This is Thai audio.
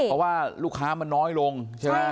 เพราะว่าลูกค้ามันน้อยลงใช่ไหม